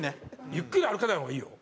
ゆっくり歩かない方がいいよ。